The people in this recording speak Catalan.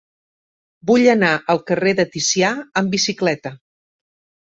Vull anar al carrer de Ticià amb bicicleta.